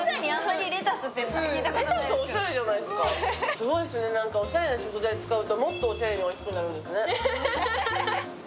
すごいですね、おしゃれな食材使うともっとおしゃれになるんですね。